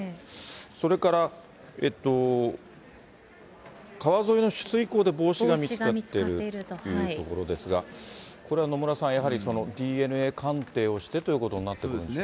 それから、川沿いの取水口で帽子が見つかっているというところですが、これは野村さん、やはりＤＮＡ鑑定をしてということになってきますか。